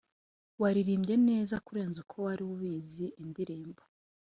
waririmbye neza kurenza uko wari ubizi; indirimbo